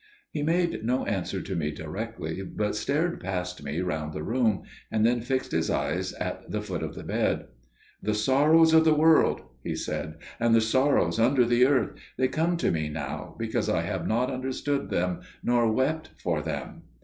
He made no answer to me directly, but stared past me round the room, and then fixed his eyes at the foot of the bed. "The sorrows of the world," he said, "and the sorrows under the earth. They come to me now, because I have not understood them, nor wept for them."